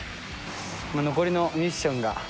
残りのミッションが。